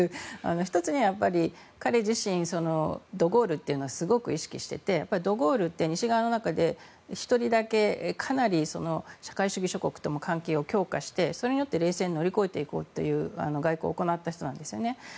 １つには彼自身ド・ゴールというのはすごく意識していてド・ゴールって、西側の中で１人だけ、かなり社会主義諸国とも関係を強化してそれによって冷戦を乗り越えていこうという外交を行った人なんですね。